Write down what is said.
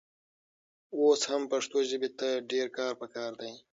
اوس هم پښتو ژبې ته ډېر کار پکار دی.